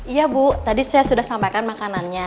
iya bu tadi saya sudah sampaikan makanannya